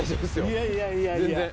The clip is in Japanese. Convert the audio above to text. いやいやいやいや。